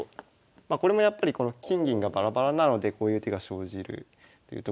まあこれもやっぱり金銀がバラバラなのでこういう手が生じるっていうところで。